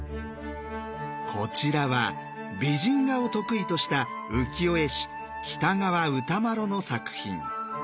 こちらは美人画を得意とした浮世絵師喜多川歌麿の作品。